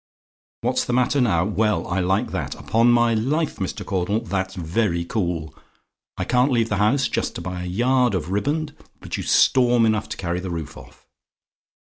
"WHAT'S THE MATTER NOW? "Well, I like that. Upon my life, Mr. Caudle, that's very cool. I can't leave the house just to buy a yard of riband, but you storm enough to carry the roof off.